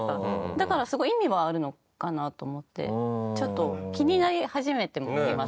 だからすごい意味はあるのかなと思ってちょっと気になり始めてもいます。